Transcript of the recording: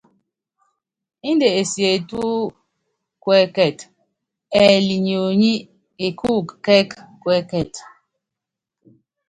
Indɛ esietu kuɛ́kɛt, ɛɛli nyonyí ekúuku kɛ́k kuɛ́kɛt.